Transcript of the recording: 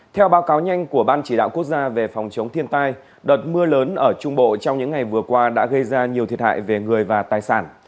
theo báo cáo nhanh của ban chỉ đạo quốc gia về phòng chống thiên tai đợt mưa lớn ở trung bộ trong những ngày vừa qua đã gây ra nhiều thiệt hại về người và tài sản